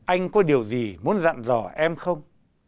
anh có điều gì muốn dặn dò em không